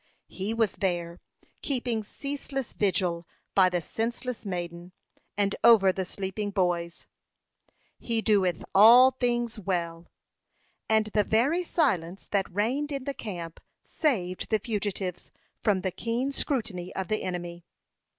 He was there keeping ceaseless vigil by the senseless maiden, and over the sleeping boys. "He doeth all things well;" and the very silence that reigned in the camp saved the fugitives from the keen scrutiny of the enemy.